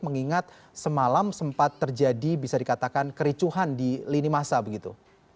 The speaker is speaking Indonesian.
mengingat semalam sempat terjadi bisa dikatakan kericuhan di lini masa begitu